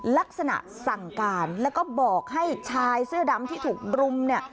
ลักษณะสั่งการแล้วก็บอกให้ชายเสื้อดำที่ถูกรุมเนี่ย